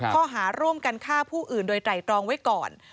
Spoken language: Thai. ข้อหาร่วมกันฆ่าผู้อื่นโดยไตรตรองไว้ก่อน